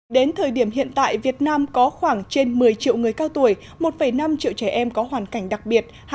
đến thời điểm hiện tại việt nam có khoảng trên một mươi triệu người cao tuổi một năm triệu trẻ em có hoàn cảnh đặc biệt